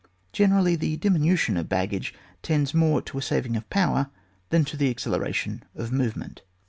Generally the diminution of baggage tends more to a saving of power than to the acceleration of movement.